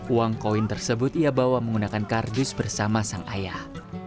uang koin tersebut ia bawa menggunakan kardus bersama sang ayah